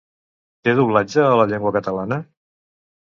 Té doblatge a la llengua catalana?